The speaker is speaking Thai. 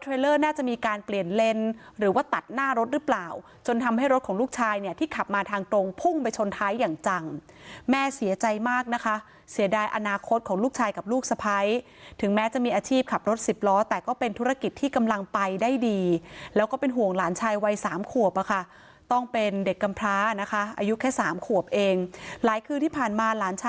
เทรลเลอร์น่าจะมีการเปลี่ยนเลนหรือว่าตัดหน้ารถหรือเปล่าจนทำให้รถของลูกชายเนี่ยที่ขับมาทางตรงพุ่งไปชนท้ายอย่างจังแม่เสียใจมากนะคะเสียดายอนาคตของลูกชายกับลูกสะพ้ายถึงแม้จะมีอาชีพขับรถสิบล้อแต่ก็เป็นธุรกิจที่กำลังไปได้ดีแล้วก็เป็นห่วงหลานชายวัยสามขวบอะค่ะต้องเป็นเด็กกำพร้านะคะอายุแค่สามขวบเองหลายคืนที่ผ่านมาหลานช